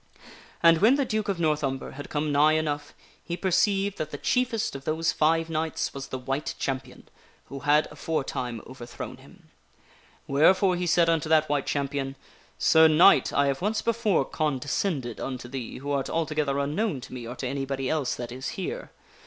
And when the Duke of North Umber had come nigh enough, he per ceived that the chiefest of those five knights was the White Champion who had aforetime overthrown him. Wherefore he said unto that White Champion :" Sir Knight, I have once before condescended unto thee who art altogether unknown to me or to anybody else that is here.